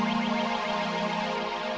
kurang pension tapi berhasil